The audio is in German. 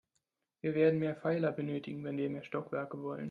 Wir werden mehr Pfeiler benötigen, wenn wir mehr Stockwerke wollen.